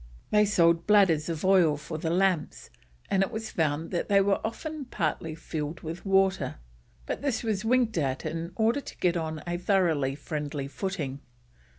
They sold bladders of oil for the lamps, and it was found that they were often partly filled with water, but this was winked at in order to get on a thoroughly friendly footing.